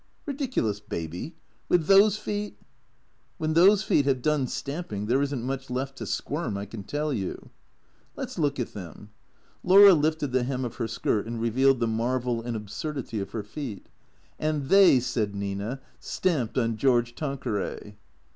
"Ridiculous baby. With those feet?" " \Mien those feet have done stamping there is n't much left to squirm, I can tell you," " Let 's look at them," Laura lifted the hem of her skirt and revealed the marvel and absurdity of her feet, " And they," said Nina, " stamped on George Tanqueray."